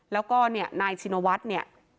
แล้วก็นายชินวัฒน์นี่